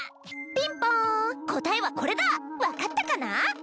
ピンポン答えはこれだ分かったかな？